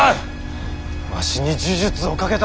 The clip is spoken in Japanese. わしに呪術をかけたんじゃ。